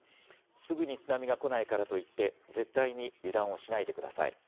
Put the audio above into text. すぐに津波が来ないからといって絶対に油断をしないでください。